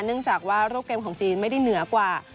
เนื่องจากว่ารูปเกมของจีนไม่ได้เหนือกว่า